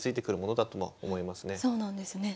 そうなんですね。